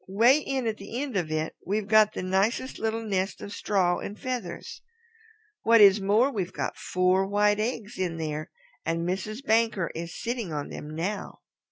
'Way in at the end of it we've got the nicest little nest of straw and feathers. What is more, we've got four white eggs in there, and Mrs. Banker is sitting on them now."